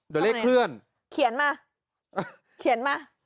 เดี๋ยวเลขเคลื่อนเขียนมาเขียนมา